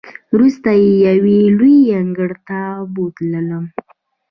وروسته یې یوې لویې انګړ ته بوتللو.